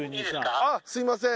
ああすいません